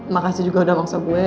makasih juga udah maksa gue